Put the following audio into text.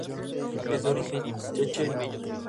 Es de origen checheno.